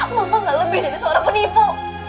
mama gak lebih jadi seorang penipu